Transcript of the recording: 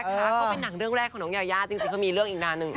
ก็เป็นหนังเรื่องแรกของน้องยายาจริงเขามีเรื่องอีกนานหนึ่ง